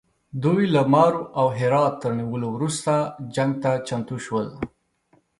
دوی له مرو او هرات تر نیولو وروسته جنګ ته چمتو شول.